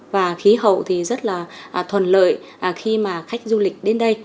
và khí hậu thì rất là thuần lợi khi mà khách du lịch đến đây